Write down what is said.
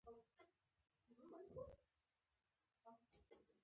په برېټانیا کې د پارلمان دود له مګناکارتا څخه سرچینه اخیسته.